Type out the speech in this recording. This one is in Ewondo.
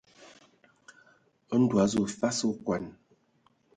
Ndɔ a azu fas okɔn.